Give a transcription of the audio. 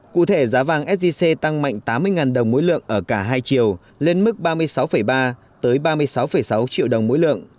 cụ thể giá vàng sgc tăng mạnh tám mươi đồng mỗi lượng ở cả hai chiều lên mức ba mươi sáu ba triệu đồng mỗi lượng tới ba mươi sáu sáu triệu đồng mỗi lượng